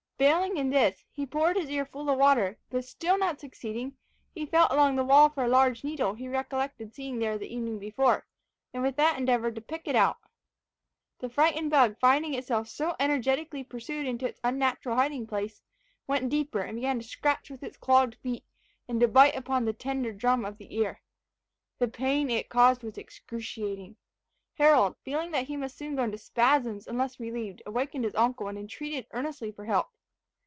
Failing in this, he poured his ear full of water; but still not succeeding, he felt along the wall for a large needle he recollected seeing there the evening before, and with that endeavoured to pick it out. The frightened bug finding itself so energetically pursued into its unnatural hiding place, went deeper, and began to scratch with its clogged feet, and to bite upon the tender drum of the ear. The pain it caused was excruciating. Harold, feeling that he must soon go into spasms, unless relieved, wakened his uncle, and entreated earnestly for help.